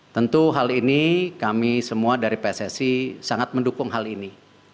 tentu hal ini kami semua dari pssi sangat mendukung hal ini